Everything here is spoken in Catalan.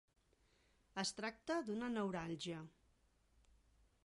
Es tracta d'una neuràlgia.